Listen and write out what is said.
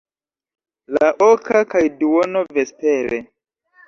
La oka kaj duono vespere.